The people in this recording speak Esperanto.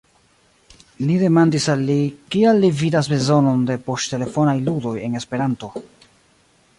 Ni demandis al li, kial li vidas bezonon de poŝtelefonaj ludoj en Esperanto.